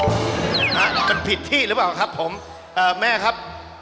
มันผิดที่หรือเปล่าครับผมเอ่อแม่ครับ